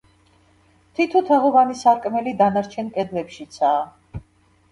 თითო თაღოვანი სარკმელი დანარჩენ კედლებშიცაა.